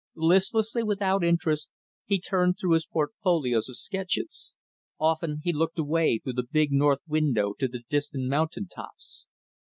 Listlessly, without interest, he turned through his portfolios of sketches. Often, he looked away through the big, north window to the distant mountain tops.